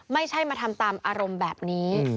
ไม่ใช่มาทำตามอารมณ์แบบนี้